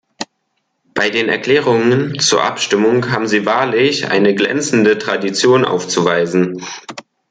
Bei den Erklärungen zur Abstimmung haben Sie wahrlich eine glänzende Tradition aufzuweisen!